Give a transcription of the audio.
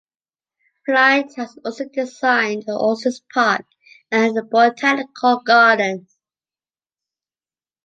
Flindt has also designed the Orsteds Park and the botanical garden.